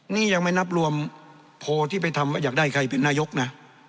นี่ยังไม่นับรวมโพลที่ไปทำว่าอยากได้ใครเป็นนายกนะ